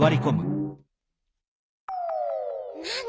なに？